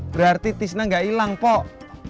berarti tisna gak hilang pok